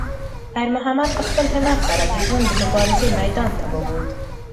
خیر محمد په خپل همت سره د ژوند د مبارزې میدان ته وووت.